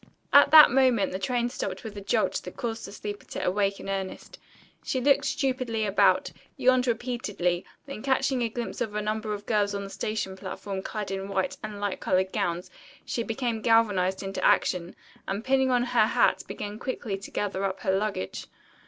At that moment the train stopped with a jolt that caused the sleeper to awake in earnest. She looked stupidly about, yawned repeatedly, then catching a glimpse of a number of girls on the station platform, clad in white and light colored gowns, she became galvanized into action, and pinning on her hat began quickly to gather up her luggage.